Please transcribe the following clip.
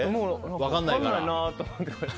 分かんないなと思って。